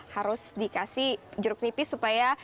harus dikasih jeruk nipis supaya